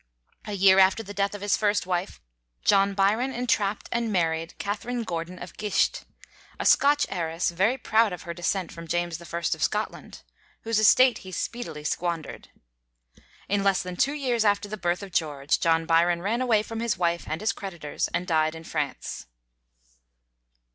A year after the death of his first wife, John Byron entrapped and married Catherine Gordon of Gicht, a Scotch heiress, very proud of her descent from James I. of Scotland, whose estate he speedily squandered. In less than two years after the birth of George, John Byron ran away from his wife and his creditors, and died in France.